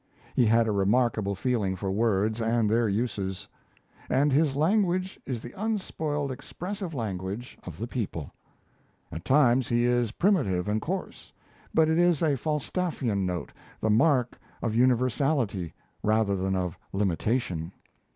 He had a remarkable feeling for words and their uses; and his language is the unspoiled, expressive language of the people. At times he is primitive and coarse; but it is a Falstaffian note, the mark of universality rather than of limitation.